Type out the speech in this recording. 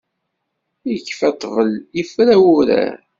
Ikfa ṭṭbel, ifra wurar.